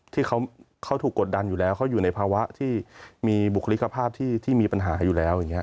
ที่เขาถูกกดดันอยู่แล้วเขาอยู่ในภาวะที่มีบุคลิกภาพที่มีปัญหาอยู่แล้วอย่างนี้